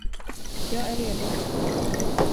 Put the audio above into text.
Jag är redo.